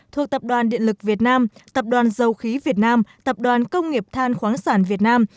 thuộc tập đoàn điện lực việt nam tập đoàn dầu khí việt nam tập đoàn công nghiệp than khoáng sản việt nam